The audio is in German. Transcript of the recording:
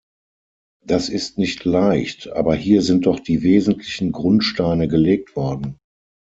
Das ist nicht leicht, aber hier sind doch die wesentlichen Grundsteine gelegt worden.